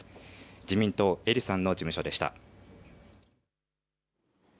自民党、英利さんの事務所でした。